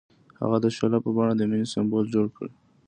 هغه د شعله په بڼه د مینې سمبول جوړ کړ.